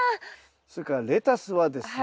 それからレタスはですね